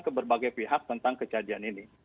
ke berbagai pihak tentang kejadian ini